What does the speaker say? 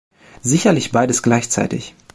Sicherlich beides gleichzeitig!